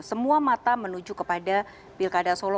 semua mata menuju kepada pilkada solo